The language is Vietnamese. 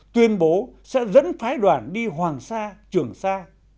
tuyên bố sẽ dẫn phái đoàn đi hoàng sa trường sa